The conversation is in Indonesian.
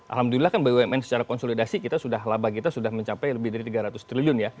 alhamdulillah bumn secara konsolidasi kita sudah mencapai lebih dari tiga ratus triliun